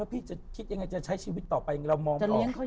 แล้วพี่จะคิดยังไงจะใช้ชีวิตต่อไปเรามองแล้ว